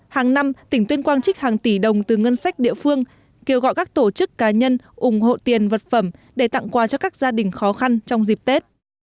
hàng năm tỉnh tuyên quang trích hàng tỷ đồng từ ngân sách địa phương kêu gọi các tổ chức cá nhân ủng hộ tiền vật phẩm để tặng quà cho các gia đình khó khăn trong dịp tết